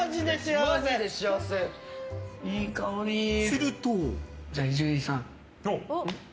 すると。